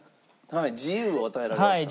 自由を与えられました。